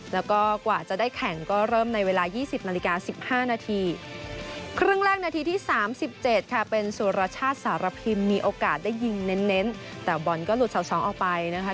ราชาติสารพิมพ์มีโอกาสได้ยิงเน้นแต่บอลก็หลุดเสาสองออกไปนะครับ